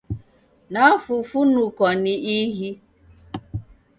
Nafufunukwa ni ighi!